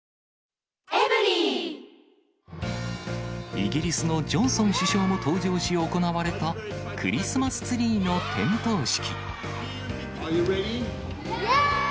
イギリスのジョンソン首相も登場し、行われたクリスマスツリーの点灯式。